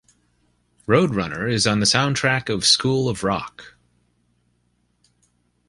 "Roadrunner" is on the soundtrack of "School of Rock".